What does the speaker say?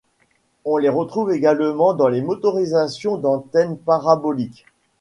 On les retrouve également dans les motorisations d'antennes paraboliques.